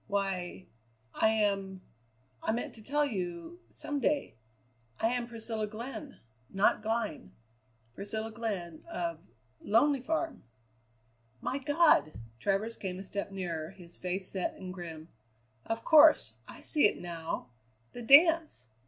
"Why I am I meant to tell you some day. I am Priscilla Glenn not Glynn Priscilla Glenn of Lonely Farm." "My God!" Travers came a step nearer, his face set and grim. "Of course! I see it now the dance!